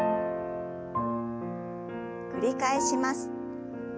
繰り返します。